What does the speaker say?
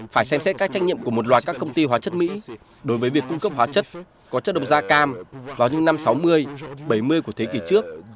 phải xem xét các trách nhiệm của một loạt các công ty hóa chất mỹ đối với việc cung cấp hóa chất có chất độc da cam vào những năm sáu mươi bảy mươi của thế kỷ trước